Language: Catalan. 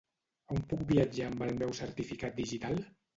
On puc viatjar amb el meu certificat digital?